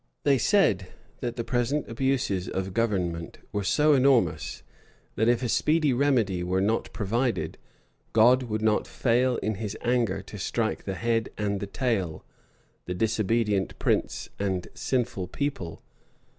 They said, that the present abuses of government were so enormous, that if a speedy remedy were not provided, God would not fail in his anger to strike the head and the tail, the disobedient prince and sinful people.